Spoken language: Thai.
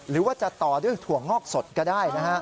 หรือว่าจะต่อด้วยถั่วงอกสดก็ได้นะฮะ